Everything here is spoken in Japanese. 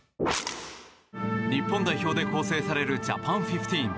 日本代表で構成されるジャパンフィフティーン。